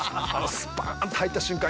スパーンと入った瞬間